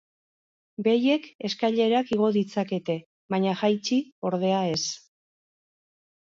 Behiek eskailerak igo ditzakete, baina jaitsi, ordea, ez.